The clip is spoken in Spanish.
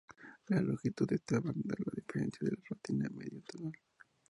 La longitud de esta banda la diferencia de la ranita meridional.